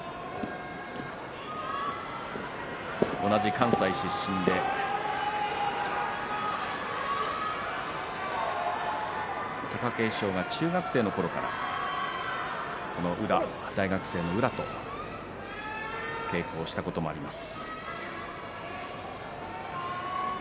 同じ関西出身で貴景勝が中学生のころから大学生の宇良と稽古をしたこともあります。